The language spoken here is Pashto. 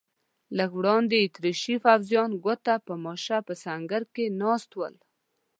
لږ وړاندې اتریشي پوځیان ګوته په ماشه په سنګر کې ناست ول.